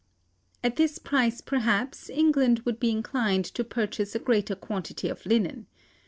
At this price, perhaps, England would be inclined to purchase a greater quantity of linen.